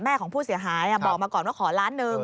ของผู้เสียหายบอกมาก่อนว่าขอล้านหนึ่ง